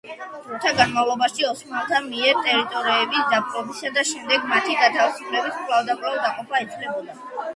დროთა განმავლობაში, ოსმალთა მიერ ტერიტორიების დაპყრობისა და შემდეგ მათი გათავისუფლების კვალდაკვალ, დაყოფა იცვლებოდა.